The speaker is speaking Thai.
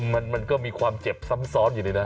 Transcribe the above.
มันก็มีความเจ็บซ้ำซ้อนอยู่ในนั้น